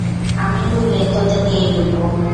আমি ডুবলে, তোদের নিয়েই ডুববো।